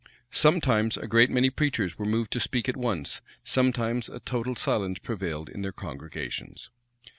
Sometimes a great many preachers were moved to speak at once sometimes a total silence prevailed in their congregations.